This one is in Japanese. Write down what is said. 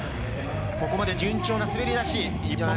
ここまで順調な滑り出し。